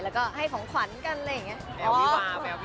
แล้วก็ให้ของขวัญกันอะไรอย่างนี้